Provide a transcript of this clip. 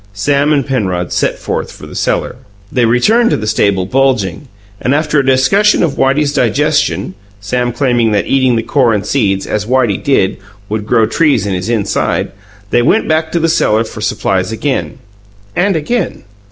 Sam and Penrod set forth for the cellar. They returned to the stable bulging, and, after a discussion of Whitey's digestion (Sam claiming that eating the core and seeds, as Whitey did, would grow trees in his inside) they went back to the cellar for supplies again and again.